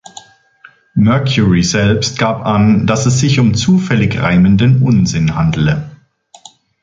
Mercury selbst gab an, dass es sich um zufällig reimenden Unsinn handele.